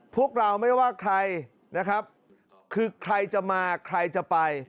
พวกเราไม่ว่าใครนะครับคือใครจะมาใครจะไป